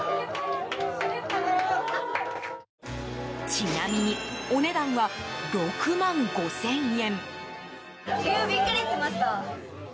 ちなみにお値段は６万５０００円。